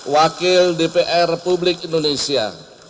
wakil dpr republik indonesia